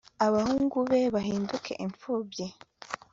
abahungu be bahinduke impfubyi